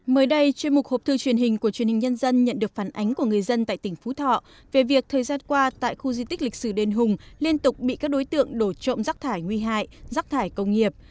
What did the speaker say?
mới đây chuyên mục hộp thư truyền hình của truyền hình nhân dân nhận được phản ánh của người dân tại tỉnh phú thọ về việc thời gian qua tại khu di tích lịch sử đền hùng liên tục bị các đối tượng đổ trộm rác thải nguy hại rắc thải công nghiệp